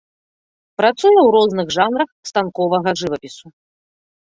Працуе ў розных жанрах станковага жывапісу.